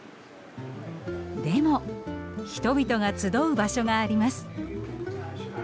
でも人々が集う場所があります。